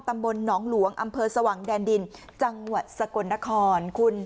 ตำบลหนองหลวงอำเภอสว่างแดนดินจังหวัดสกลนครคุณ